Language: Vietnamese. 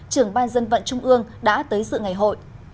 trưởng ban dân vận trung ương đã tới sự ngày hội